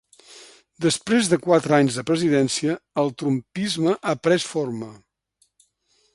Després de quatre anys de presidència, el ‘Trumpisme’ ha pres forma.